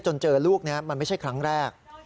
เจอลูกนี้มันไม่ใช่ครั้งแรก